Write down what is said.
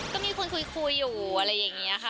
ก็มีคนคุยอยู่อะไรอย่างนี้ค่ะ